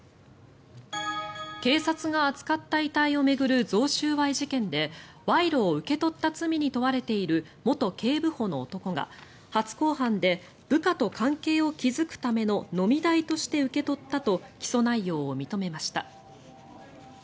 警察が扱った遺体を巡る贈収賄事件で賄賂を受け取った罪に問われている元警部補の男が初公判で部下と関係を築くための飲み代として受け取ったと起訴内容を認めました。